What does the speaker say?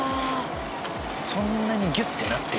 そんなにギュッてなってるんだ。